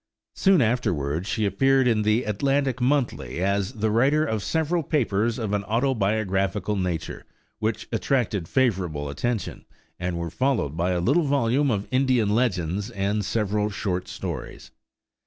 Soon afterward she appeared in the Atlantic Monthly as the writer of several papers of an autobiographical nature, which attracted favorable attention, and were followed by a little volume of Indian legends and several short stories.